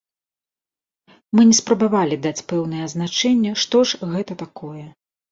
Мы не спрабавалі даць пэўнае азначэнне, што ж гэта такое.